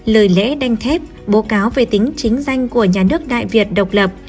lời lễ đanh thép bố cáo về tính chính danh của nhà nước đại việt độc lập